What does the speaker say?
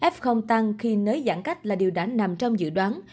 f tăng khi nới giãn cách là điều đã nằm trong dự đoán